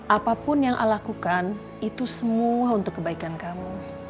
apapun yang allah lakukan itu semua untuk kebaikan kamu